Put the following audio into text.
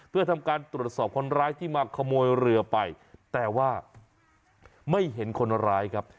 เพื่อทำการตรวจสอบคนร้ายที่มาขโมยเรือไปแต่ว่าไม่เห็นคนร้ายครับ